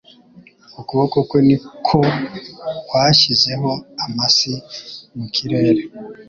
Ukuboko kwe ni koo kwashyizeho amasi mu kirere,